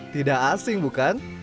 tidak asing bukan